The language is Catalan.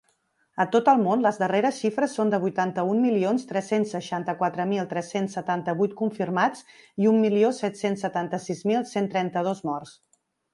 A tot el món, les darreres xifres són de vuitanta-un milions tres-cents seixanta-quatre mil tres-cents setanta-vuit confirmats i un milió set-cents setanta-sis mil cent trenta-dos morts.